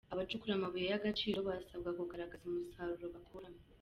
Abacukura amabuye y’agaciro barasabwa kugaragaza umusaruro bakuramo